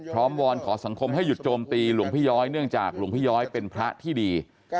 วอนขอสังคมให้หยุดโจมตีหลวงพี่ย้อยเนื่องจากหลวงพี่ย้อยเป็นพระที่ดี